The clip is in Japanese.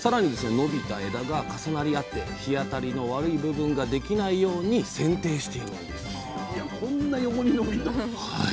伸びた枝が重なり合って日当たりの悪い部分ができないようにせん定しているんです